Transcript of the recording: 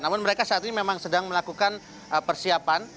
namun mereka saat ini memang sedang melakukan persiapan